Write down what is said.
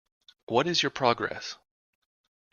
What is your progress?